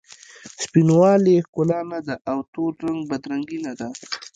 سپین والې ښکلا نه ده او تور رنګ بد رنګي نه ده.